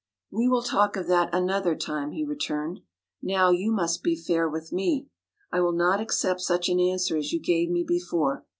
"We will talk of that another time," he returned. "Now you must be fair with me. I will not accept such an answer as you gave me before.